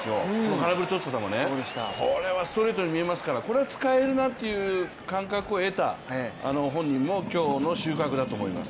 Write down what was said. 空振り取った球ね、これはストレートに見えますからこれは使えるなという感覚を得た、本人の今日の収穫だと思います。